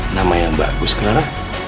nama yang bagus clara